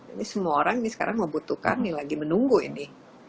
ini semua orang ini sekarang membutuhkan nih lagi menunggu ini